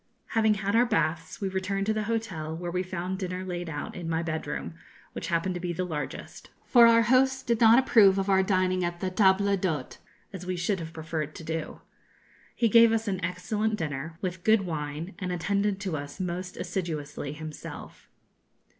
Having had our baths, we returned to the hotel, where we found dinner laid out in my bed room, which happened to be the largest, for our host did not approve of our dining at the table d'hôte, as we should have preferred to do. He gave us an excellent dinner, with good wine, and attended to us most assiduously himself.